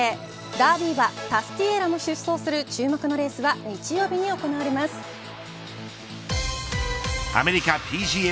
ダービー馬タスティエーラも出走する注目のレースはアメリカＰＧＡ